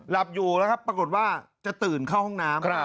หลับอยู่แล้วครับปรากฏว่าจะตื่นเข้าห้องน้ำ